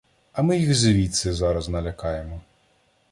А ми їх звідси зараз налякаємо.